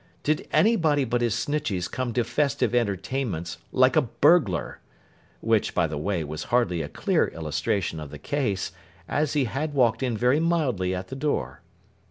Did anybody but his Snitcheys come to festive entertainments like a burglar?—which, by the way, was hardly a clear illustration of the case, as he had walked in very mildly at the door.